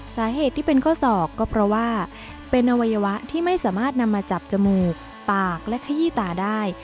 สาเหตุที่เป็นข้อศอกก็เพราะว่าเป็นอวัยวะที่ไม่สามารถนำมาจับจมูกปากและขยี้ตาได้